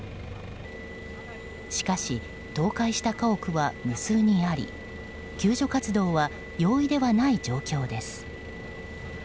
しかし、倒壊した家屋は無数にあり救助活動は容易ではない状況です。